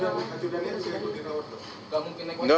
jadi hanya pas setia ngovanto